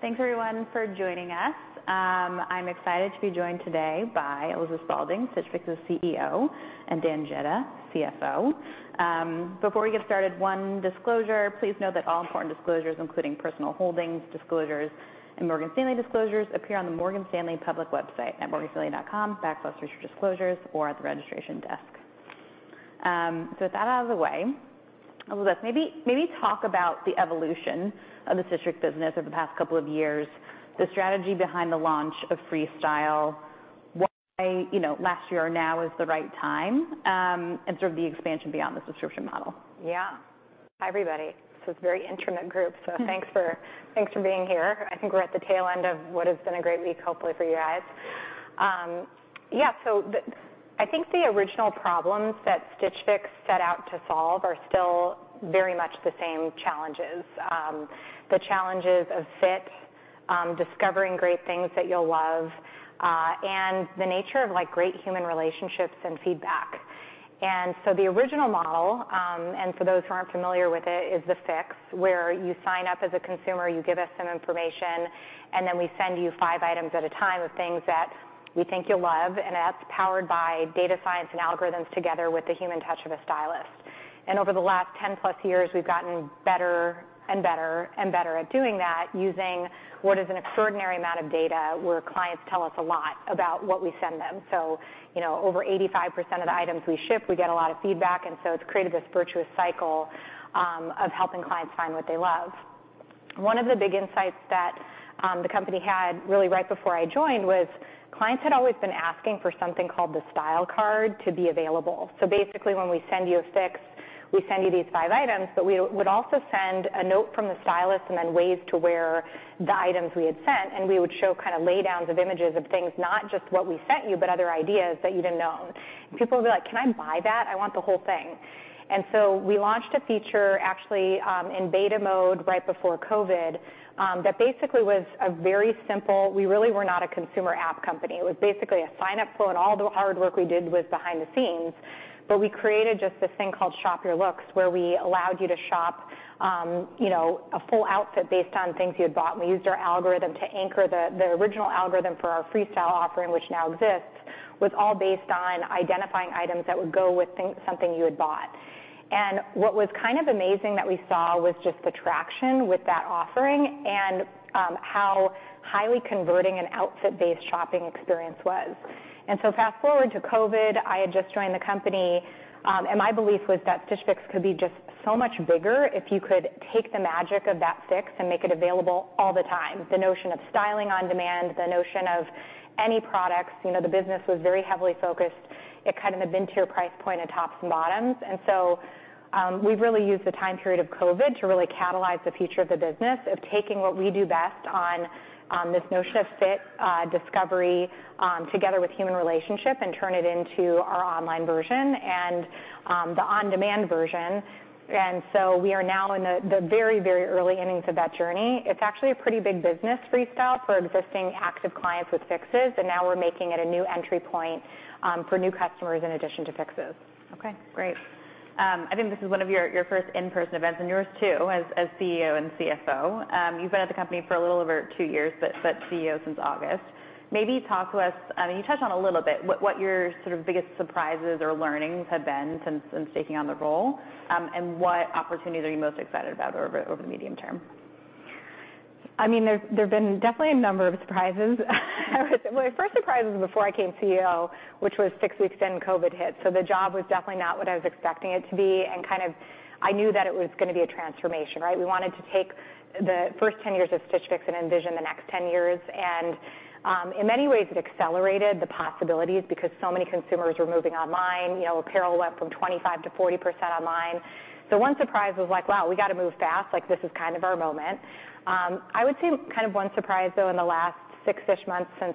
All right. Thanks everyone for joining us. I'm excited to be joined today by Elizabeth Spaulding, Stitch Fix's CEO, and Dan Jedda, CFO. Before we get started, one disclosure, please note that all important disclosures, including personal holdings disclosures and Morgan Stanley disclosures, appear on the Morgan Stanley public website at morganstanley.com/researchdisclosures or at the registration desk. With that out of the way, Elizabeth, maybe talk about the evolution of the Stitch Fix business over the past couple of years, the strategy behind the launch of Freestyle, why, you know, last year or now is the right time, and sort of the expansion beyond the subscription model. Yeah. Hi, everybody. This is a very intimate group, so thanks for being here. I think we're at the tail end of what has been a great week, hopefully for you guys. I think the original problems that Stitch Fix set out to solve are still very much the same challenges. The challenges of fit, discovering great things that you'll love, and the nature of, like, great human relationships and feedback. The original model, and for those who aren't familiar with it, is the Fix, where you sign up as a consumer, you give us some information, and then we send you five items at a time of things that we think you'll love, and that's powered by data science and algorithms together with the human touch of a stylist. Over the last 10+ years, we've gotten better and better and better at doing that using what is an extraordinary amount of data where clients tell us a lot about what we send them. You know, over 85% of the items we ship, we get a lot of feedback, and so it's created this virtuous cycle of helping clients find what they love. One of the big insights that the company had really right before I joined was clients had always been asking for something called the Style Card to be available. Basically, when we send you a Fix, we send you these five items, but we would also send a note from the stylist and then ways to wear the items we had sent, and we would show kind of laydowns of images of things, not just what we sent you, but other ideas that you didn't own. People would be like, "Can I buy that? I want the whole thing." And so we launched a feature actually in beta mode right before COVID that basically was a very simple. We really were not a consumer app company. It was basically a sign-up flow, and all the hard work we did was behind the scenes. We created just this thing called Shop Your Looks, where we allowed you to shop, you know, a full outfit based on things you had bought, and we used our algorithm to anchor the original algorithm for our Freestyle offering, which now exists, was all based on identifying items that would go with things you had bought. What was kind of amazing that we saw was just the traction with that offering and how highly converting an outfit-based shopping experience was. Fast-forward to COVID, I had just joined the company, and my belief was that Stitch Fix could be just so much bigger if you could take the magic of that Fix and make it available all the time. The notion of styling on demand, the notion of any products. You know, the business was very heavily focused in kind of the mid-tier price point of tops and bottoms. We've really used the time period of COVID to really catalyze the future of the business of taking what we do best on this notion of fit, discovery, together with human relationship and turn it into our online version and the on-demand version. We are now in the very, very early innings of that journey. It's actually a pretty big business, Freestyle, for existing active clients with Fixes, and now we're making it a new entry point for new customers in addition to Fixes. Okay. Great. I think this is one of your first in-person events, and yours too, as CEO and CFO. You've been at the company for a little over two years, but CEO since August. Maybe talk to us. You touched on a little bit what your sort of biggest surprises or learnings have been since taking on the role, and what opportunities are you most excited about over the medium term? I mean, there've been definitely a number of surprises. My first surprise was before I came CEO, which was six weeks in, COVID hit. The job was definitely not what I was expecting it to be, and kind of I knew that it was gonna be a transformation, right? We wanted to take the first 10 years of Stitch Fix and envision the next 10 years. In many ways, it accelerated the possibilities because so many consumers were moving online. You know, apparel went from 25%-40% online. One surprise was like, "Wow, we gotta move fast. Like, this is kind of our moment." I would say kind of one surprise, though, in the last six-ish months since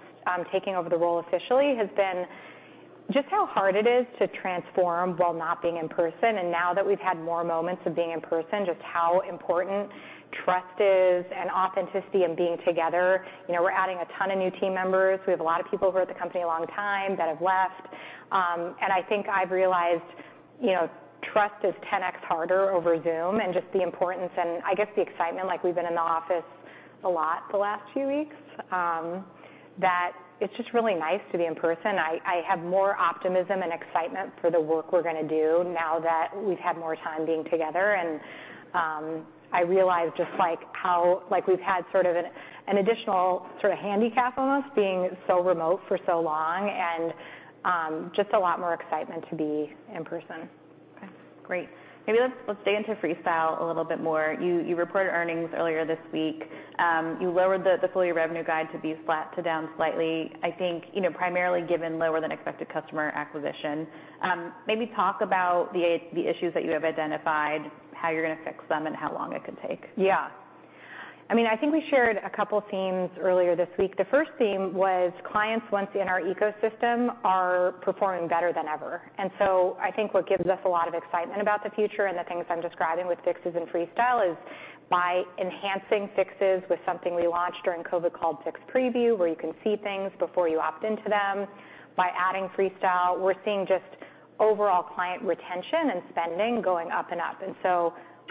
taking over the role officially, has been just how hard it is to transform while not being in person. Now that we've had more moments of being in person, just how important trust is and authenticity and being together. You know, we're adding a ton of new team members. We have a lot of people who were at the company a long time that have left. I think I've realized, you know, trust is 10x harder over Zoom, and just the importance and I guess the excitement, like, we've been in the office a lot the last few weeks, that it's just really nice to be in person. I have more optimism and excitement for the work we're gonna do now that we've had more time being together. I realize just, like, how. We've had sort of an additional sort of handicap almost being so remote for so long, and just a lot more excitement to be in person. Okay. Great. Maybe let's dig into Freestyle a little bit more. You reported earnings earlier this week. You lowered the full-year revenue guide to be flat to down slightly, I think, you know, primarily given lower than expected customer acquisition. Maybe talk about the issues that you have identified, how you're gonna fix them, and how long it could take. Yeah. I mean, I think we shared a couple themes earlier this week. The first theme was clients, once in our ecosystem, are performing better than ever. I think what gives us a lot of excitement about the future and the things I'm describing with Fix and Freestyle is by enhancing Fix with something we launched during COVID called Fix Preview, where you can see things before you opt into them, by adding Freestyle, we're seeing just overall client retention and spending going up and up.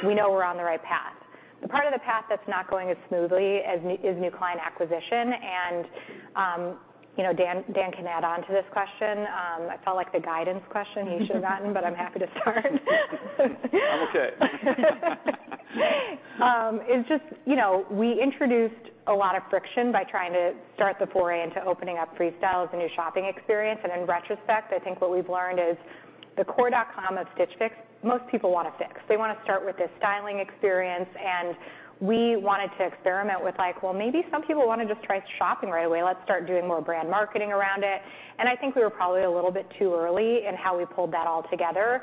We know we're on the right path. The part of the path that's not going as smoothly is new client acquisition. You know, Dan can add on to this question. I felt like the guidance question you should have gotten, but I'm happy to start. I'm okay. It's just, you know, we introduced a lot of friction by trying to start the foray into opening up Freestyle as a new shopping experience. In retrospect, I think what we've learned is the core of Stitch Fix, most people want to Fix. They wanna start with this styling experience, and we wanted to experiment with like, well, maybe some people wanna just try shopping right away. Let's start doing more brand marketing around it. I think we were probably a little bit too early in how we pulled that all together.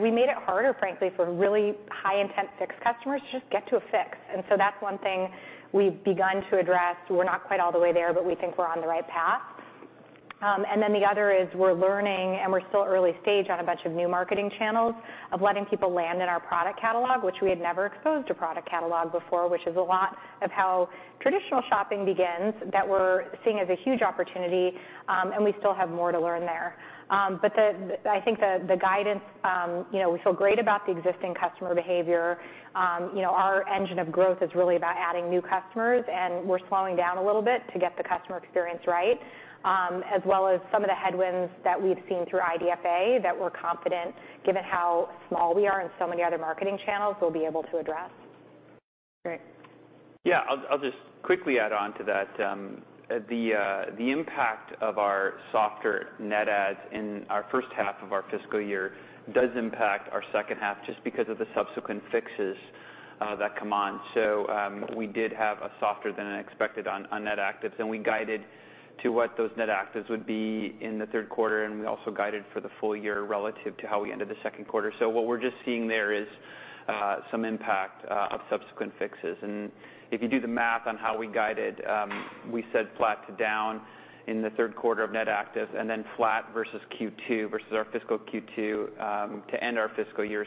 We made it harder, frankly, for really high intent Fix customers to just get to a Fix. That's one thing we've begun to address. We're not quite all the way there, but we think we're on the right path. The other is we're learning, and we're still early stage on a bunch of new marketing channels of letting people land in our product catalog, which we had never exposed a product catalog before, which is a lot of how traditional shopping begins that we're seeing as a huge opportunity, and we still have more to learn there. I think the guidance, you know, we feel great about the existing customer behavior. Our engine of growth is really about adding new customers, and we're slowing down a little bit to get the customer experience right, as well as some of the headwinds that we've seen through IDFA that we're confident, given how small we are in so many other marketing channels, we'll be able to address. Great. Yeah. I'll just quickly add on to that. The impact of our softer net adds in our first half of our fiscal year does impact our second half just because of the subsequent fixes that come on. We did have a softer than expected on net actives, and we guided to what those net actives would be in the third quarter, and we also guided for the full year relative to how we ended the second quarter. What we're just seeing there is some impact of subsequent fixes. If you do the math on how we guided, we said flat to down in the third quarter of net actives and then flat versus our fiscal Q2 to end our fiscal year.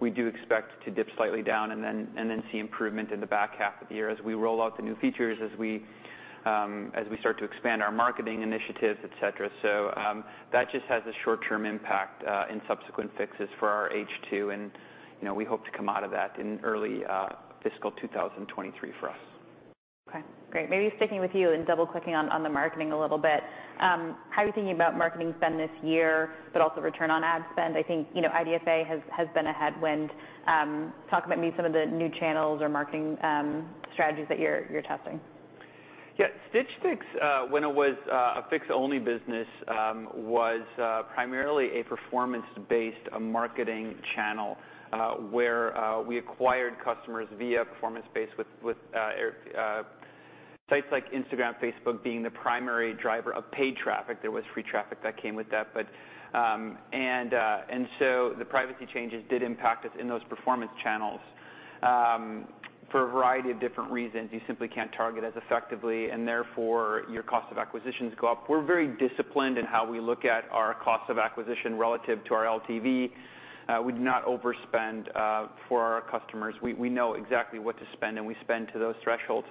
We do expect to dip slightly down and then see improvement in the back half of the year as we roll out the new features, as we start to expand our marketing initiatives, et cetera. That just has a short-term impact in subsequent fixes for our H2. You know, we hope to come out of that in early fiscal 2023 for us. Okay, great. Maybe sticking with you and double-clicking on the marketing a little bit, how are you thinking about marketing spend this year, but also return on ad spend? I think, you know, IDFA has been a headwind. Talk about maybe some of the new channels or marketing strategies that you're testing. Stitch Fix, when it was a Fix-only business, was primarily a performance-based marketing channel, where we acquired customers via performance-based with sites like Instagram, Facebook being the primary driver of paid traffic. There was free traffic that came with that. The privacy changes did impact us in those performance channels for a variety of different reasons. You simply can't target as effectively, and therefore your cost of acquisition goes up. We're very disciplined in how we look at our cost of acquisition relative to our LTV. We do not overspend for our customers. We know exactly what to spend, and we spend to those thresholds.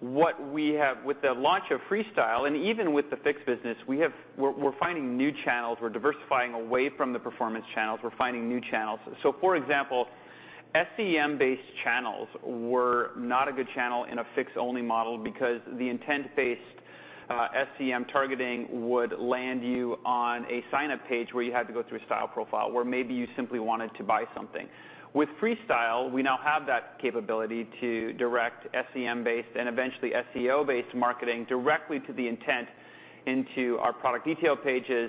What we have with the launch of Freestyle, and even with the Fix business, we're finding new channels. We're diversifying away from the performance channels. We're finding new channels. For example, SEM-based channels were not a good channel in a Fix-only model because the intent-based SEM targeting would land you on a sign-up page where you had to go through a style profile, where maybe you simply wanted to buy something. With Freestyle, we now have that capability to direct SEM-based and eventually SEO-based marketing directly to the intent into our product detail pages,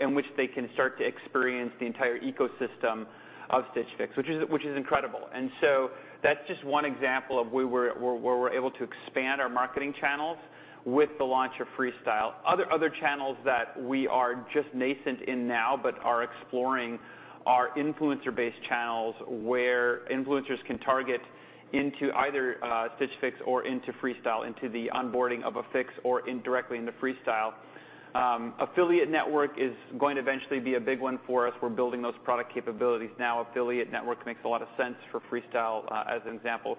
in which they can start to experience the entire ecosystem of Stitch Fix, which is incredible. That's just one example of where we're able to expand our marketing channels with the launch of Freestyle. Other channels that we are just nascent in now, but are exploring are influencer-based channels, where influencers can target into either Stitch Fix or into Freestyle, into the onboarding of a Fix or indirectly into Freestyle. Affiliate network is going to eventually be a big one for us. We're building those product capabilities now. Affiliate network makes a lot of sense for Freestyle, as an example.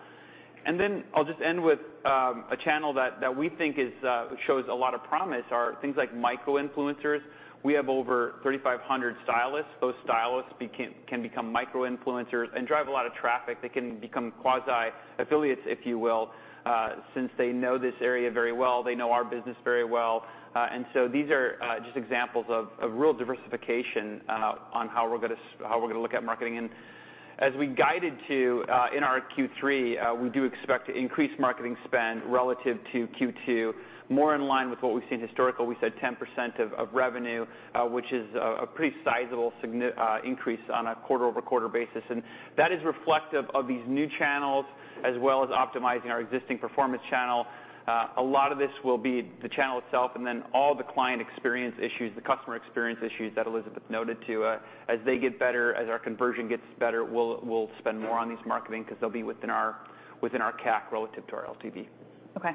I'll just end with a channel that we think shows a lot of promise are things like micro-influencers. We have over 3,500 stylists. Those stylists can become micro-influencers and drive a lot of traffic. They can become quasi affiliates, if you will, since they know this area very well. They know our business very well. These are just examples of real diversification on how we're gonna look at marketing. As we guided to in our Q3, we do expect increased marketing spend relative to Q2, more in line with what we've seen historically. We said 10% of revenue, which is a pretty sizable increase on a quarter-over-quarter basis. That is reflective of these new channels, as well as optimizing our existing performance channel. A lot of this will be the channel itself, and then all the client experience issues, the customer experience issues that Elizabeth noted, too. As they get better, as our conversion gets better, we'll spend more on this marketing because they'll be within our CAC relative to our LTV. Okay.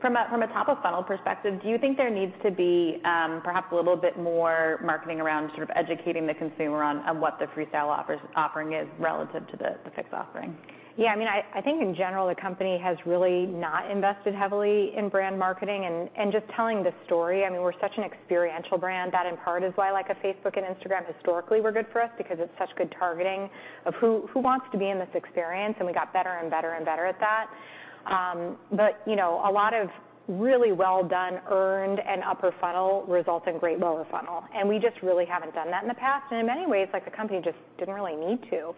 From a top-of-funnel perspective, do you think there needs to be perhaps a little bit more marketing around sort of educating the consumer on what the Freestyle offering is relative to the Fix offering? Yeah, I mean, I think in general, the company has really not invested heavily in brand marketing and just telling the story. I mean, we're such an experiential brand. That in part is why like a Facebook and Instagram historically were good for us because it's such good targeting of who wants to be in this experience, and we got better and better and better at that. A lot of really well done, earned, and upper funnel results in great lower funnel, and we just really haven't done that in the past. In many ways, like, the company just didn't really need to.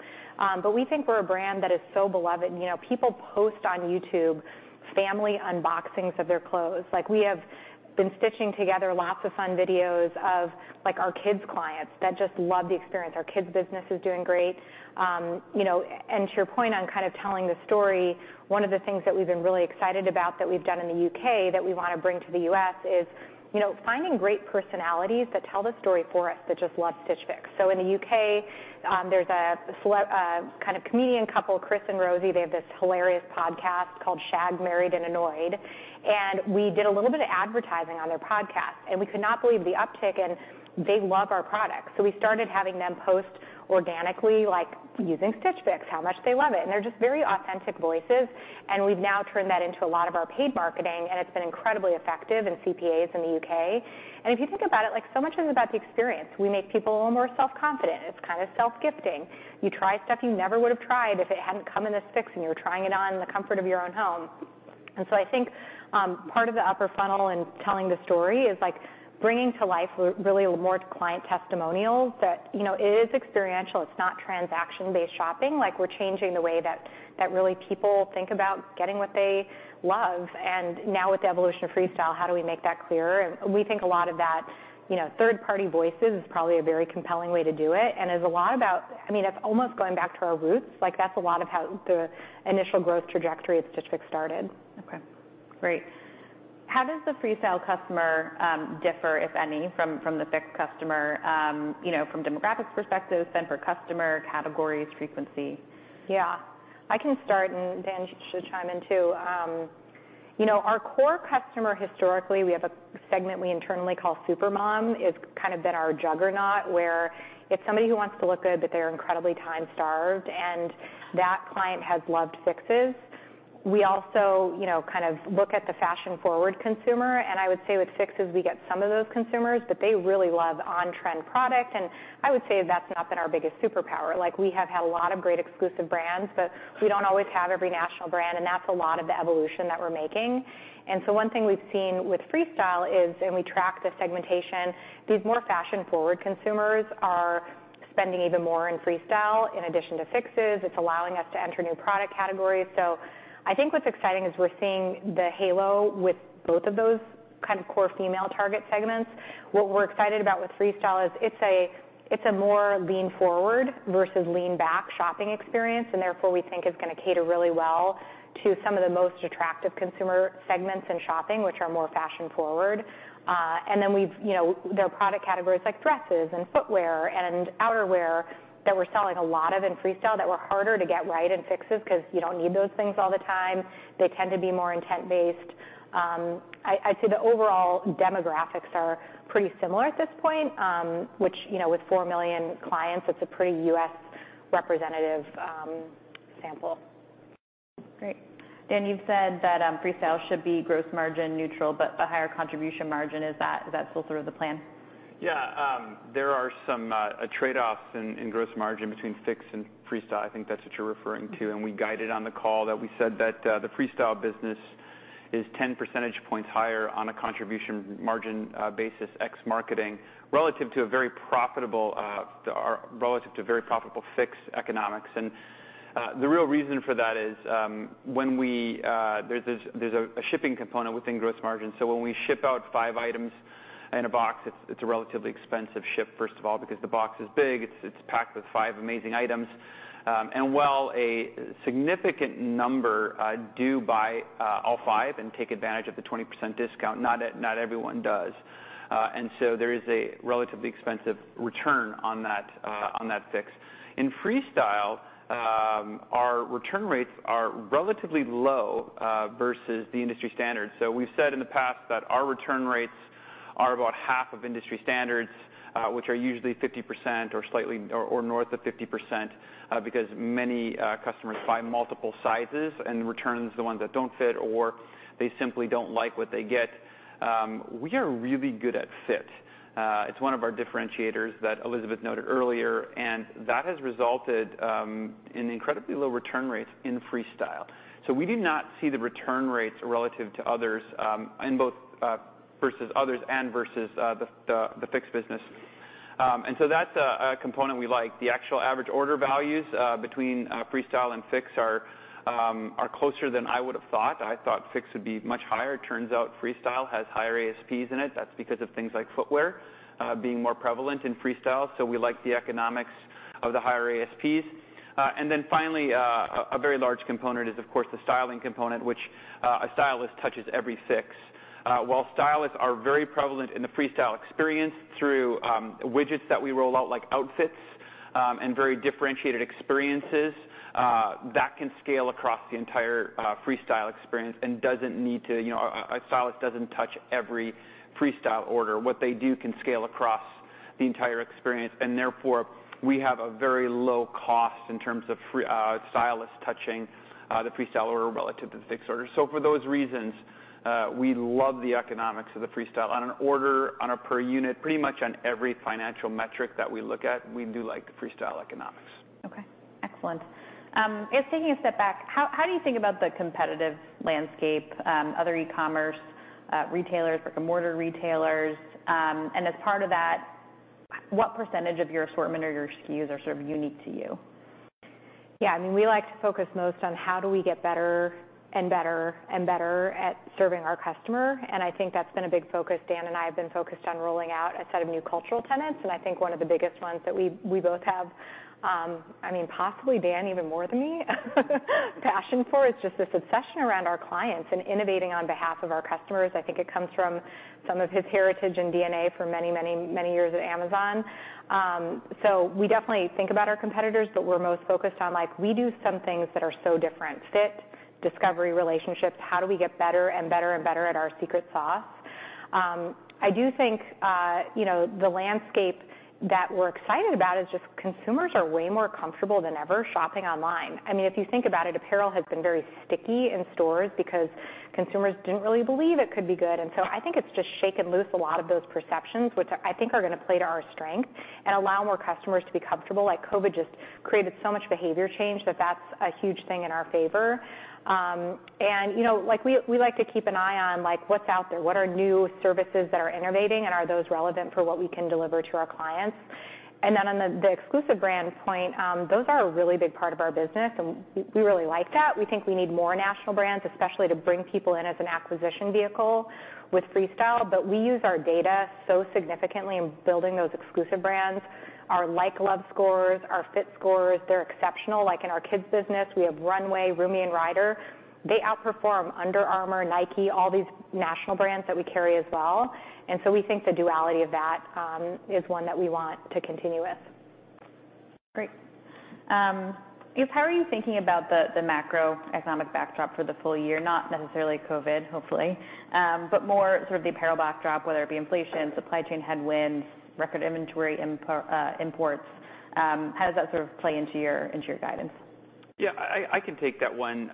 We think we're a brand that is so beloved. You know, people post on YouTube family unboxings of their clothes. Like, we have been stitching together lots of fun videos of, like, our kids clients that just love the experience. Our kids business is doing great. You know, and to your point on kind of telling the story, one of the things that we've been really excited about that we've done in the U.K. that we wanna bring to the U.S. is, you know, finding great personalities that tell the story for us, that just love Stitch Fix. In the U.K., there's a kind of comedian couple, Chris and Rosie Ramsey. They have this hilarious podcast called Shagged Married Annoyed. We did a little bit of advertising on their podcast, and we could not believe the uptick, and they love our products. We started having them post organically, like, using Stitch Fix, how much they love it, and they're just very authentic voices. We've now turned that into a lot of our paid marketing, and it's been incredibly effective in CPAs in the U.K. If you think about it, like, so much is about the experience. We make people a little more self-confident. It's kind of self-gifting. You try stuff you never would've tried if it hadn't come in this Fix, and you're trying it on in the comfort of your own home. I think part of the upper funnel in telling the story is, like, bringing to life really more client testimonials that, you know, it is experiential. It's not transaction-based shopping. Like, we're changing the way that really people think about getting what they love. Now with the evolution of Freestyle, how do we make that clearer? We think a lot of that, you know, third-party voices is probably a very compelling way to do it. It is a lot about, I mean, it's almost going back to our roots. Like, that's a lot of how the initial growth trajectory of Stitch Fix started. Okay. Great. How does the Freestyle customer differ, if any, from the Fix customer, you know, from demographics perspective, spend per customer, categories, frequency? Yeah. I can start, and Dan should chime in, too. Our core customer historically, we have a segment we internally call super mom. It's kind of been our juggernaut, where it's somebody who wants to look good, but they're incredibly time-starved, and that client has loved Fixes. We also, you know, kind of look at the fashion-forward consumer, and I would say with Fixes, we get some of those consumers, but they really love on-trend product, and I would say that's not been our biggest superpower. We have had a lot of great exclusive brands, but we don't always have every national brand, and that's a lot of the evolution that we're making. One thing we've seen with Freestyle is, and we track the segmentation, these more fashion-forward consumers are spending even more in Freestyle in addition to Fixes. It's allowing us to enter new product categories. I think what's exciting is we're seeing the halo with both of those kind of core female target segments. What we're excited about with Freestyle is it's a more lean forward versus lean back shopping experience, and therefore we think is gonna cater really well to some of the most attractive consumer segments in shopping, which are more fashion forward. You know, there are product categories like dresses and footwear and outerwear that we're selling a lot of in Freestyle that were harder to get right in Fixes 'cause you don't need those things all the time. They tend to be more intent based. I'd say the overall demographics are pretty similar at this point, which, you know, with 4 million clients, it's a pretty U.S. representative sample. Great. Dan, you've said that Freestyle should be gross margin neutral but a higher contribution margin. Is that still sort of the plan? Yeah. There are some trade-offs in gross margin between Fix and Freestyle. I think that's what you're referring to. We guided on the call that we said that the Freestyle business is 10 percentage points higher on a contribution margin basis ex marketing relative to very profitable Fix economics. The real reason for that is there's a shipping component within gross margin, so when we ship out five items in a box, it's a relatively expensive ship, first of all, because the box is big. It's packed with five amazing items. While a significant number do buy all five and take advantage of the 20% discount, not everyone does. There is a relatively expensive return on that Fix. In Freestyle, our return rates are relatively low versus the industry standard. We've said in the past that our return rates are about half of industry standards, which are usually 50% or slightly north of 50%, because many customers buy multiple sizes and return the ones that don't fit or they simply don't like what they get. We are really good at fit. It's one of our differentiators that Elizabeth noted earlier, and that has resulted in incredibly low return rates in Freestyle. We do not see the return rates relative to others in both versus others and versus the Fix business. That's a component we like. The actual average order values between Freestyle and Fix are closer than I would've thought. I thought Fix would be much higher. It turns out Freestyle has higher ASPs in it. That's because of things like footwear being more prevalent in Freestyle, so we like the economics of the higher ASPs. Finally, a very large component is, of course, the styling component, which a stylist touches every Fix, while stylists are very prevalent in the Freestyle experience through widgets that we roll out, like outfits, and very differentiated experiences that can scale across the entire Freestyle experience and doesn't need to. You know, a stylist doesn't touch every Freestyle order. What they do can scale across the entire experience, and therefore we have a very low cost in terms of stylists touching the Freestyle order relative to the Fix order. For those reasons, we love the economics of the Freestyle. On an order, on a per unit, pretty much on every financial metric that we look at, we do like the Freestyle economics. Okay. Excellent. Just taking a step back, how do you think about the competitive landscape, other e-commerce retailers, brick-and-mortar retailers? As part of that, what percentage of your assortment or your SKUs are sort of unique to you? Yeah, I mean, we like to focus most on how do we get better and better and better at serving our customer, and I think that's been a big focus. Dan and I have been focused on rolling out a set of new cultural tenets, and I think one of the biggest ones that we both have, I mean, possibly Dan even more than me, passion for, is just this obsession around our clients and innovating on behalf of our customers. I think it comes from some of his heritage and DNA for many, many, many years at Amazon. We definitely think about our competitors, but we're most focused on, like, we do some things that are so different, fit, discovery, relationships. How do we get better and better and better at our secret sauce? I do think, you know, the landscape that we're excited about is just consumers are way more comfortable than ever shopping online. I mean, if you think about it, apparel has been very sticky in stores because consumers didn't really believe it could be good. I think it's just shaken loose a lot of those perceptions, which I think are gonna play to our strength and allow more customers to be comfortable. COVID just created so much behavior change that that's a huge thing in our favor. You know, like, we like to keep an eye on, what's out there, what are new services that are innovating, and are those relevant for what we can deliver to our clients? On the exclusive brands point, those are a really big part of our business, and we really like that. We think we need more national brands, especially to bring people in as an acquisition vehicle with Freestyle. We use our data so significantly in building those exclusive brands. Our Like Love scores, our Fit scores, they're exceptional. Like, in our kids business, we have Runway, Rumi, and Ryder. They outperform Under Armour, Nike, all these national brands that we carry as well. We think the duality of that is one that we want to continue with. Great. Yes, how are you thinking about the macroeconomic backdrop for the full year? Not necessarily COVID, hopefully, but more sort of the apparel backdrop, whether it be inflation, supply chain headwinds, record inventory imports. How does that sort of play into your guidance? Yeah. I can take that one.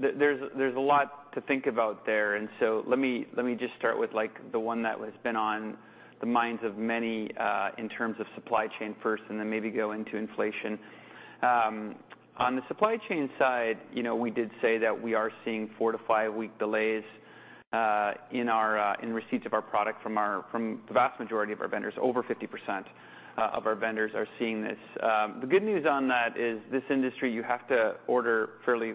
There's a lot to think about there. Let me just start with, like, the one that has been on the minds of many in terms of supply chain first, and then maybe go into inflation. On the supply chain side, you know, we did say that we are seeing 4- to 5-week delays in our receipts of our product from the vast majority of our vendors. Over 50% of our vendors are seeing this. The good news on that is this industry, you have to order fairly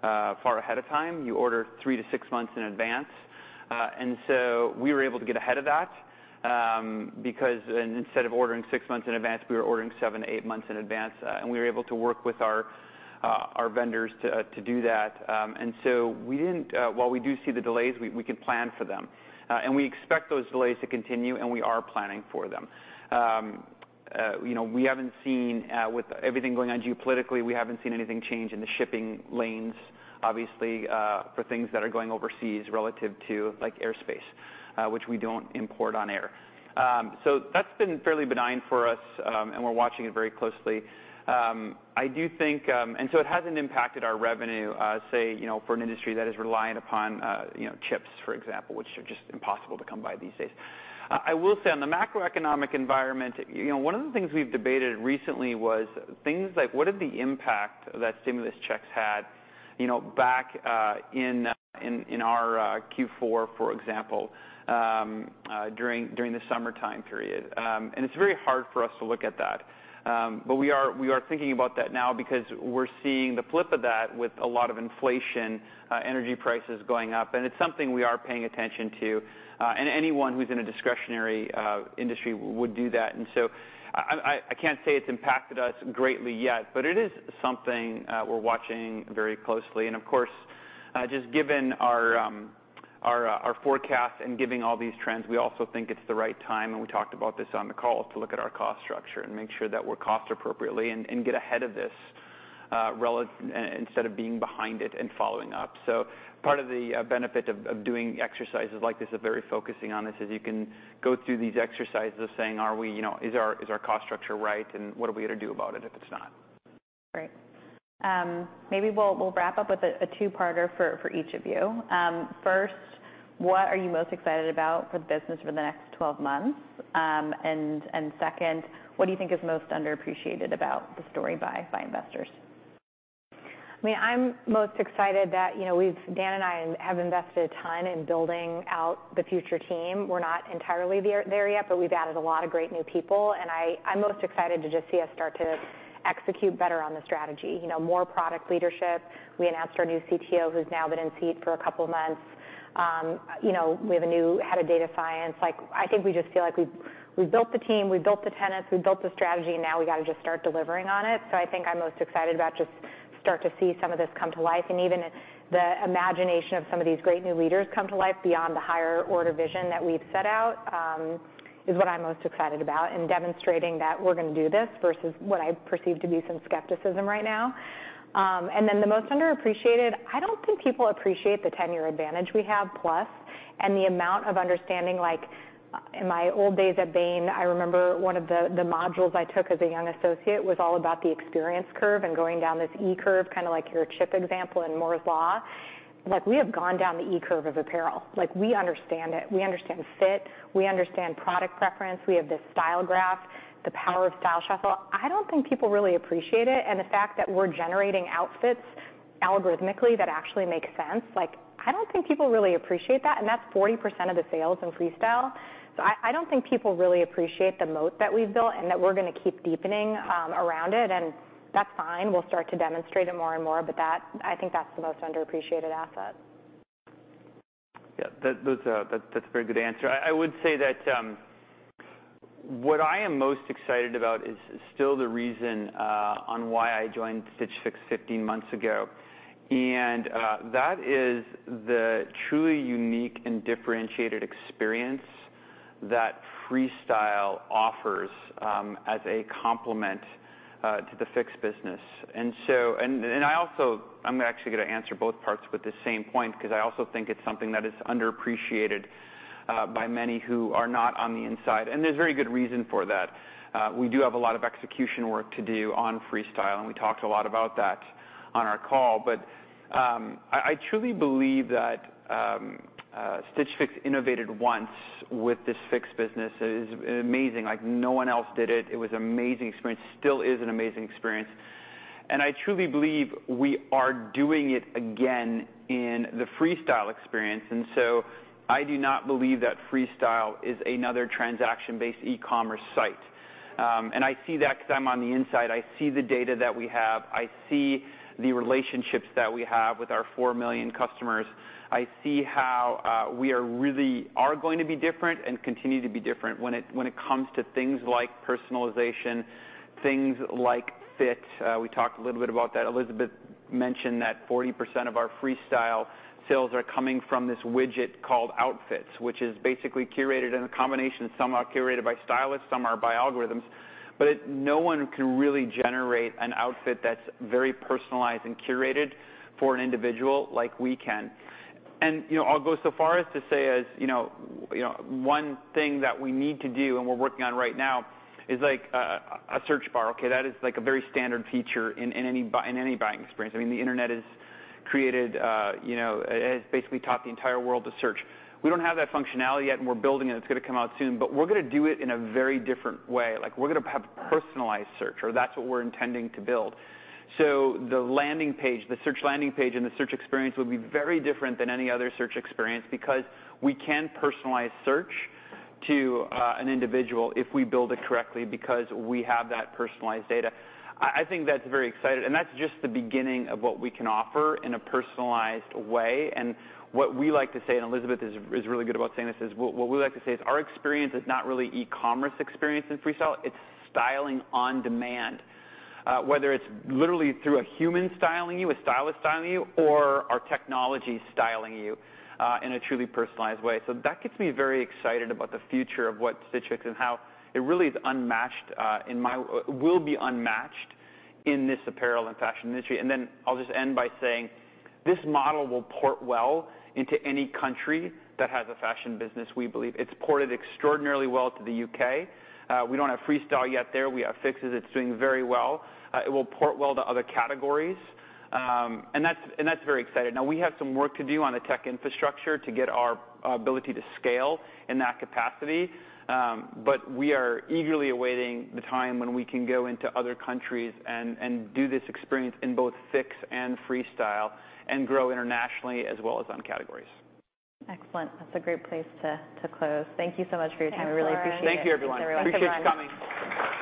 far ahead of time. You order 3-6 months in advance. We were able to get ahead of that because instead of ordering six months in advance, we were ordering 7-8 months in advance, and we were able to work with our vendors to do that. While we do see the delays, we can plan for them. We expect those delays to continue, and we are planning for them. You know, we haven't seen, with everything going on geopolitically, we haven't seen anything change in the shipping lanes, obviously, for things that are going overseas relative to, like, airspace, which we don't import by air. That's been fairly benign for us, and we're watching it very closely. I do think. It hasn't impacted our revenue, say, you know, for an industry that is reliant upon, you know, chips, for example, which are just impossible to come by these days. I will say on the macroeconomic environment, you know, one of the things we've debated recently was things like what did the impact that stimulus checks had, you know, back, in our Q4, for example, during the summertime period. It’s very hard for us to look at that. We are thinking about that now because we're seeing the flip of that with a lot of inflation, energy prices going up, and it's something we are paying attention to. Anyone who's in a discretionary industry would do that. I can't say it's impacted us greatly yet, but it is something we're watching very closely. Of course, just given our forecast and giving all these trends, we also think it's the right time, and we talked about this on the call, to look at our cost structure and make sure that we're cost appropriately and get ahead of this, instead of being behind it and following up. Part of the benefit of doing exercises like this of very focusing on this is you can go through these exercises of saying are we? You know, is our cost structure right, and what are we gonna do about it if it's not? Great. Maybe we'll wrap up with a two-parter for each of you. First, what are you most excited about for the business for the next 12 months? Second, what do you think is most underappreciated about the story by investors? I mean, I'm most excited that, you know, we've Dan and I have invested a ton in building out the future team. We're not entirely there yet, but we've added a lot of great new people, and I'm most excited to just see us start to execute better on the strategy. You know, more product leadership. We announced our new CTO who's now been in seat for a couple months. We have a new head of data science. Like, I think we just feel like we've built the team, we've built the tenets, we've built the strategy, and now we gotta just start delivering on it. I think I'm most excited about just start to see some of this come to life, and even the imagination of some of these great new leaders come to life beyond the higher order vision that we've set out, is what I'm most excited about, and demonstrating that we're gonna do this versus what I perceive to be some skepticism right now. Then the most underappreciated, I don't think people appreciate the tenure advantage we have plus, and the amount of understanding, in my old days at Bain, I remember one of the modules I took as a young associate was all about the experience curve and going down this experience curve, kind of like your chip example in Moore's Law. We have gone down the experience curve of apparel. We understand it. We understand fit. We understand product preference. We have this Style Graph. The power of Style Shuffle, I don't think people really appreciate it, and the fact that we're generating outfits algorithmically that actually make sense, I don't think people really appreciate that, and that's 40% of the sales in Freestyle. I don't think people really appreciate the moat that we've built and that we're gonna keep deepening around it, and that's fine. We'll start to demonstrate it more and more, I think that's the most underappreciated asset. Yeah. That's a very good answer. I would say that what I am most excited about is still the reason why I joined Stitch Fix 15 months ago. That is the truly unique and differentiated experience that Freestyle offers as a complement to the Fix business. I'm actually gonna answer both parts with the same point 'cause I also think it's something that is underappreciated by many who are not on the inside, and there's very good reason for that. We do have a lot of execution work to do on Freestyle, and we talked a lot about that on our call. I truly believe that Stitch Fix innovated once with this Fix business. It is amazing. No one else did it. It was an amazing experience. Still is an amazing experience. I truly believe we are doing it again in the Freestyle experience. I do not believe that Freestyle is another transaction-based e-commerce site. I see that 'cause I'm on the inside. I see the data that we have. I see the relationships that we have with our 4 million customers. I see how we are really going to be different and continue to be different when it comes to things like personalization, things like fit. We talked a little bit about that. Elizabeth mentioned that 40% of our Freestyle sales are coming from this widget called Outfits, which is basically curated in a combination. Some are curated by stylists, some are by algorithms. No one can really generate an outfit that's very personalized and curated for an individual like we can. I'll go so far as to say, you know, one thing that we need to do, and we're working on right now, is like a search bar, okay? That is like a very standard feature in any buying experience. I mean, the Internet has created, you know, has basically taught the entire world to search. We don't have that functionality yet, and we're building it. It's gonna come out soon. We're gonna do it in a very different way. We're gonna have personalized search, or that's what we're intending to build. The landing page, the search landing page and the search experience will be very different than any other search experience because we can personalize search to an individual if we build it correctly because we have that personalized data. I think that's very exciting. That's just the beginning of what we can offer in a personalized way. What we like to say, and Elizabeth is really good about saying this, is our experience is not really e-commerce experience in Freestyle. It's styling on demand, whether it's literally through a human stylist styling you, a stylist styling you, or our technology styling you, in a truly personalized way. That gets me very excited about the future of what Stitch Fix and how it really is unmatched, will be unmatched in this apparel and fashion industry. I'll just end by saying this model will port well into any country that has a fashion business, we believe. It's ported extraordinarily well to the U.K. We don't have Freestyle yet there. We have Fixes. It's doing very well. It will port well to other categories. And that's very exciting. Now, we have some work to do on the tech infrastructure to get our ability to scale in that capacity, but we are eagerly awaiting the time when we can go into other countries and do this experience in both Fix and Freestyle and grow internationally as well as on categories. Excellent. That's a great place to close. Thank you so much for your time. Thanks, Lauren. I really appreciate it. Thank you, everyone. Thanks, everyone. I appreciate you coming.